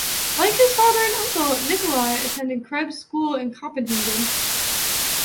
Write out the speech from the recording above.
Like his father and uncle, Nikolai attended Krebs School in Copenhagen.